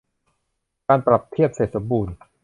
การปรับเทียบเสร็จสมบูรณ์